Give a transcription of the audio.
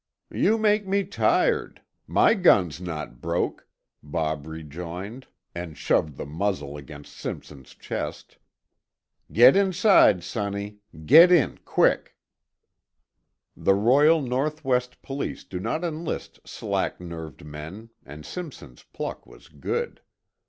"You make me tired. My gun's not broke," Bob rejoined and shoved the muzzle against Simpson's chest. "Get inside, sonny. Get in quick!" The Royal North West Police do not enlist slack nerved men and Simpson's pluck was good.